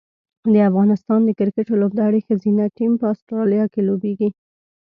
د افغانستان د کرکټ لوبډلې ښځینه ټیم په اسټرالیا کې لوبیږي